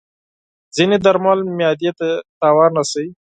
ځینې درمل معده ته زیان رسوي.